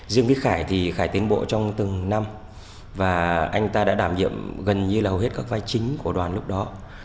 riêng với khải thì khải tiến bộ trong từng năm và anh ta đã đảm nhiệm gần như là hầu hết các vai chính của đoàn lúc đó